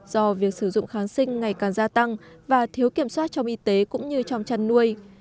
do việc sử dụng kháng sinh ngày càng gia tăng và thiếu kiểm soát trong y tế cũng như trong chăn nuôi